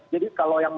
jadi kalau yang di